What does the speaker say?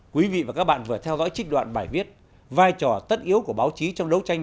quý vị và các bạn vừa theo dõi trích đoạn bài viết vai trò tất yếu của báo chí trong đấu tranh